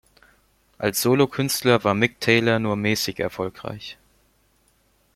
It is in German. Als Solokünstler war Mick Taylor nur mäßig erfolgreich.